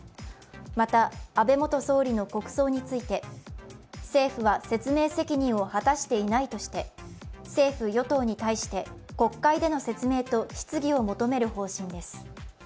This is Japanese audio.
また安倍元総理の国葬について政府は説明責任を果たしていないとして、政府・与党に対して国会での説明と質疑を求める方針です。